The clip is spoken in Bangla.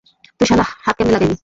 তুই শালা হাত কেমনে লাগাইলি?